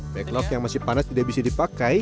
backlog yang masih panas tidak bisa dipakai